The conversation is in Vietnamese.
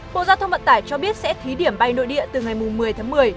bộ giao thông vận tải cho biết sẽ thí điểm bay nội địa từ ngày một mươi tháng một mươi